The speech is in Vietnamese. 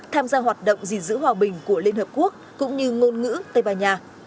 tham gia hoạt động gìn giữ hòa bình của liên hợp quốc cũng như ngôn ngữ tây ban nha